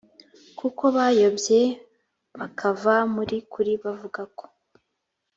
kuko bayobye bakava mu kuri bavuga ko